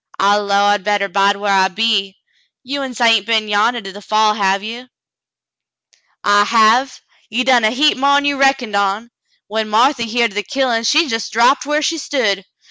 "I 'low I better bide whar I be. You uns hain't been yandah to the fall, have ye .'^" *'I have. You done a heap mo'n you reckoned on. When Marthy heered o' the killin', she jes' drapped whar she stood.